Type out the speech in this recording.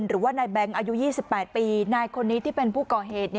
หรือว่านายแบงค์อายุ๒๘ปีนายคนนี้ที่เป็นผู้ก่อเหตุ